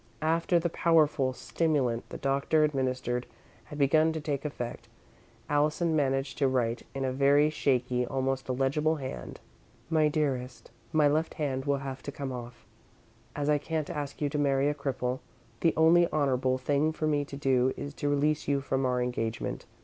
After the powerful stimulant the doctor administered had begun to take effect, Allison managed to write, in a very shaky, almost illegible hand: "MY DEAREST: "My left hand will have to come off. As I can't ask you to marry a cripple, the only honourable thing for me to do is to release you from our engagement.